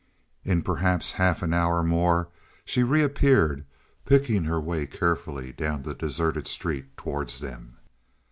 In perhaps half an hour more she reappeared, picking her way carefully down the deserted street towards them.